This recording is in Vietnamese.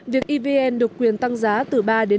việc evn được quyền tăng giá từ ba đến năm